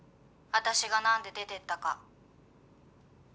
私がなんで出てったか」